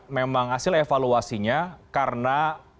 memang hasil evaluasinya karena